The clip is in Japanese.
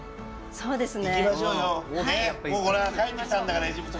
そうですよ。